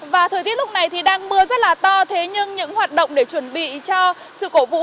và thời tiết lúc này thì đang mưa rất là to thế nhưng những hoạt động để chuẩn bị cho sự cổ vũ